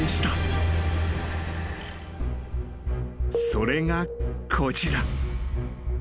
［それがこちら］